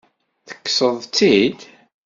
Tekkseḍ-tt-id?